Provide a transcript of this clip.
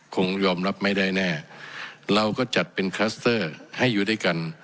คงยอมรับไม่ได้แน่เราก็จัดเป็นให้อยู่ด้วยกัน